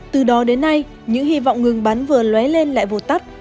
từ đó đến nay những hy vọng ngừng bắn vừa lué lên lại vụt tắt